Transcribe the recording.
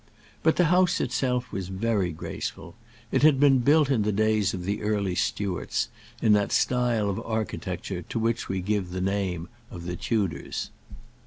But the house itself was very graceful. It had been built in the days of the early Stuarts, in that style of architecture to which we give the name of the Tudors.